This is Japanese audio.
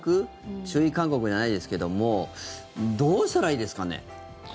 注意勧告じゃないですけどもどうしたらいいですかね？